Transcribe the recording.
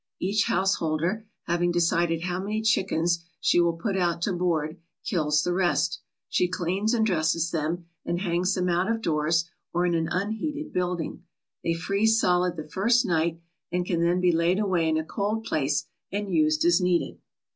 Each householder, having decided how many chickens she will put out to board, kills the rest. She cleans and dresses them and hangs them out of doors or in an unheated building. They freeze solid the first night and can then be laid away in a cold place and used as needed.